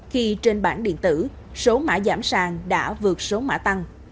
khi trên bản điện tử số mã giảm sàng đã vượt số mã tăng